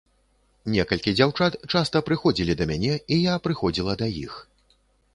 Некалькі дзяўчат часта прыходзілі да мяне, і я прыходзіла да іх.